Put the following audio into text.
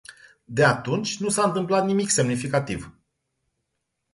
De atunci nu s-a întâmplat nimic semnificativ.